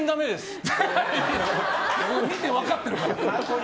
見て分かってるから。